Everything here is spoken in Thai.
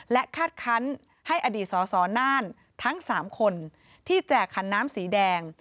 และคาดคันให้อดีตสสน่านทั้ง๓คนที่แจกขันน้ำสีแดง